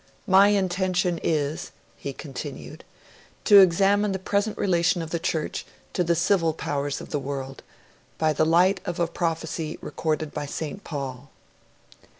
'My intention is,' he continued, 'to examine the present relation of the Church to the civil powers of the world by the light of a prophecy recorded by St Paul.'